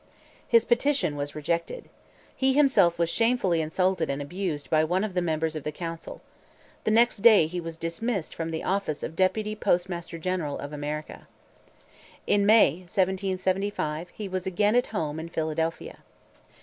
His petition was rejected. He himself was shamefully insulted and abused by one of the members of the council. The next day he was dismissed from the office of deputy postmaster general of America. In May, 1775, he was again at home in Philadelphia.